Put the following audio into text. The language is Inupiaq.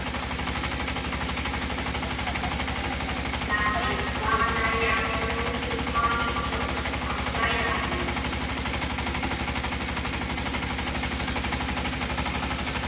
Naumi, aġnaiyaaq immuktułhaaŋitchuq aŋutaiyaamiñ.